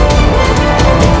lalu ada orang orang